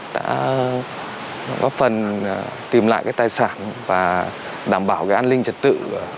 đã góp phần tìm lại cái tài sản và đảm bảo an ninh trật tự